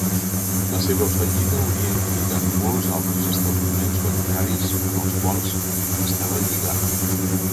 La seva fallida hauria implicat molts altres establiments bancaris amb els quals estava lligada.